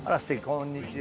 こんにちは。